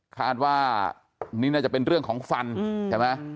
คาดว่านี่น่าจะเป็นเรื่องของฟันใช่ไหม